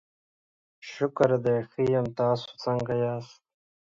شکر دی، ښه یم، تاسو څنګه یاست؟